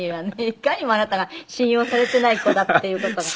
いかにもあなたが信用されていない子だっていう事が。